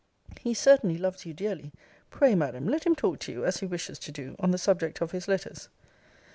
He certainly loves you dearly. Pray, Madam, let him talk to you, as he wishes to do, on the subject of his letters.